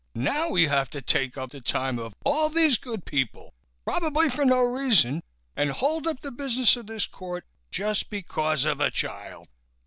Now we have to take up the time of all these good people, probably for no reason, and hold up the business of this court, just because of a child.